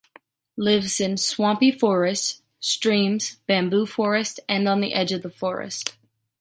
Lives in swampy forests, streams, bamboo forests and on the edge of the forest.